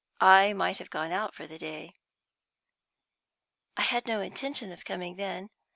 I might have gone out for the day." "I had no intention of coming then."